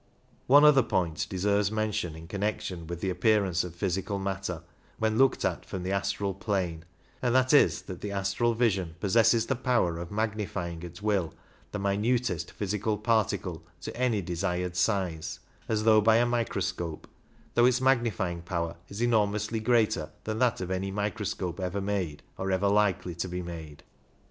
One other point deserves mention in connection with the appearance of physical matter when looked at from the astral plane, and that is that the astral vision possesses the power of magnifying at will the minutest physical particle to any desired size, as though by a microscope, though its 14 magnifying power is enormously greater than that of any microscope ever made or ever likely to be made.